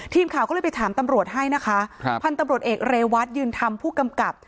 ทีมข่าวก็เลยไปถามตำรวจให้นะคะครับพันธุ์ตำรวจเอกเรวัตยืนธรรมผู้กำกับ